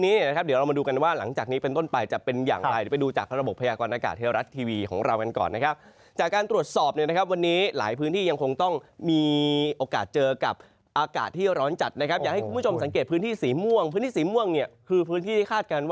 เดี๋ยวเรามาดูกันว่าหลังจากนี้เป็นต้นไปจะเป็นอย่างไรเดี๋ยวไปดูจากระบบพยากรณากาศเทวรัฐทีวีของเรากันก่อนนะครับจากการตรวจสอบเนี่ยนะครับวันนี้หลายพื้นที่ยังคงต้องมีโอกาสเจอกับอากาศที่ร้อนจัดนะครับอยากให้คุณผู้ชมสังเกตพื้นที่สีม่วงพื้นที่สีม่วงเนี่ยคือพื้นที่ที่คาดการณ